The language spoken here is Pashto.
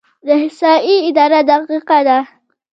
د احصایې اداره دقیقه ده؟